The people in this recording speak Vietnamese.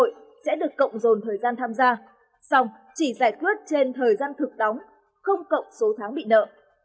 bảo hiểm xã hội sẽ được cộng dồn thời gian tham gia xong chỉ giải quyết trên thời gian thực đóng không cộng số tháng bị nợ